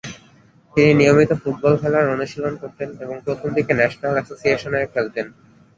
তিনি নিয়মিত ফুটবল খেলার অনুশীলন করতেন এবং প্রথমদিকে ন্যাশনাল অ্যাসোসিয়েশনে খেলতেন।